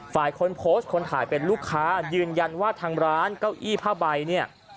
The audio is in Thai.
คนโพสต์คนถ่ายเป็นลูกค้ายืนยันว่าทางร้านเก้าอี้ผ้าใบเนี่ย